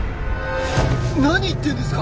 何言ってんですか！？